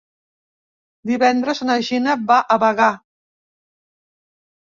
Divendres na Gina va a Bagà.